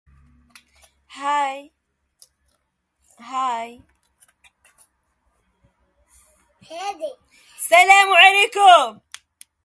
Medication for asthma, croup, cystic fibrosis and some other conditions.